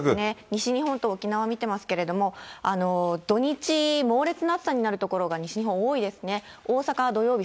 西日本と沖縄見てますけれども、土日、猛烈な暑さになる所が、西日本多いですね。